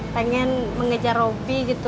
pengen mengejar robby gitu